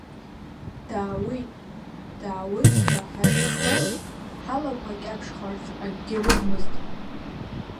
Даауеит, даауеит ҳәа ҳашԥшуаз ҳалақәа кьаԥшхарц акгьы рыгмызт.